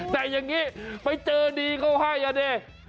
แต่อย่างนี้ไปเจอดีเขาให้อ่ะดิ